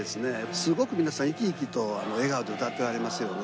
凄くみなさん生き生きと笑顔で歌ってはりますよね。